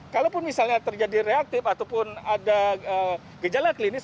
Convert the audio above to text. kalaupun misalnya terjadi reaktif ataupun ada gejala klinis